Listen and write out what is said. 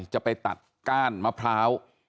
จะไปตัดก้านมะพร้าว